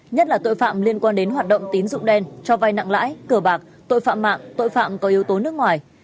nhất là tội phạm liên quan đến hoạt động tín dụng đen cho vai nặng lãi cờ bạc tội phạm mạng tội phạm có yếu tố nước ngoài